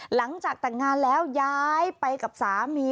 หลังจากแต่งงานแล้วย้ายไปกับสามี